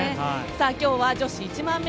今日は女子１００００ｍ